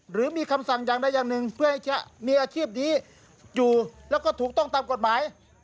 หรือมีคำสั่งอย่างใดอย่างหนึ่งเพื่อให้จะมีอาชีพนี้อยู่แล้วก็ถูกต้องตามกฎหมาย